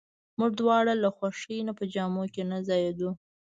موږ دواړه له خوښۍ نه په جامو کې نه ځایېدو.